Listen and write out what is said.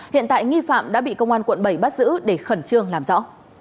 hiện tại nghi phạm đã bị công an quận bảy bắt giữ để khẩn trương làm rõ